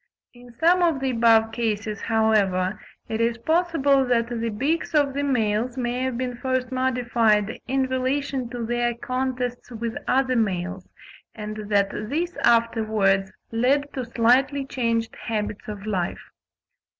In some of the above cases, however, it is possible that the beaks of the males may have been first modified in relation to their contests with other males; and that this afterwards led to slightly changed habits of life.